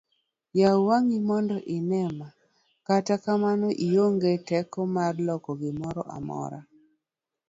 yaw wang'i mondo ine ma, kata kamano ionge teko marlokogimoro